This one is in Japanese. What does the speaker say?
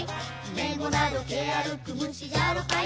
「めごなどけあるくむしじゃろかい」